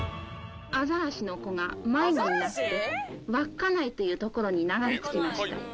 アザラシの子が迷子になって、稚内という所に流れ着きました。